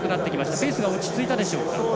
ペースが落ち着いたでしょうか。